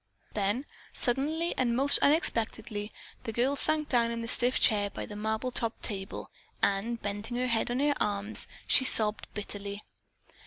Then suddenly and most unexpectedly, the girl sank down in the stiff chair by the marble topped table and bending her head on her arms, she sobbed bitterly.